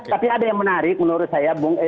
tapi ada yang menarik menurut saya